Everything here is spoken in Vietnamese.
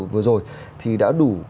vừa rồi thì đã đủ